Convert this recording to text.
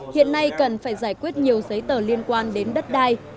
hiện nay cần phải giải quyết nhiều giấy tờ liên quan đến đất đai